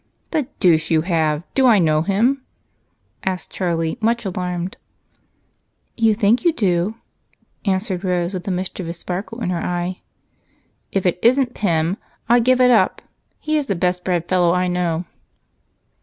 "The deuce you have! Do I know him?" asked Charlie, much alarmed. "You think you do," answered Rose with a mischievous sparkle in her eye. "If it isn't Pem, I give it up. He's the best bred fellow I know."